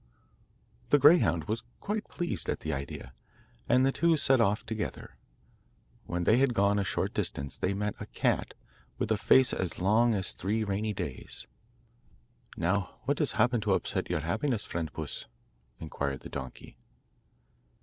The greyhound was quite pleased at the idea, and the two set off together. When they had gone a short distance they met a cat with a face as long as three rainy days. 'Now, what has happened to upset your happiness, friend puss?' inquired the donkey.